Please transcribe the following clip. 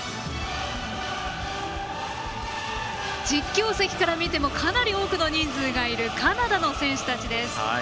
実況席から見てもかなり多くの人数がいるカナダの選手たちです。